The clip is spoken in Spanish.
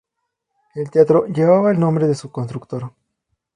El teatro llevaba el nombre de su constructor.